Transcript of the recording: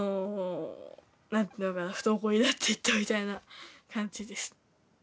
何ていうのかな不登校になっていったみたいな感じです。